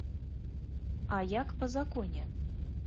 А як па законе?